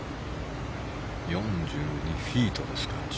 ４２フィートですか。